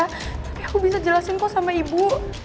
tapi aku bisa jelasin kok sama ibu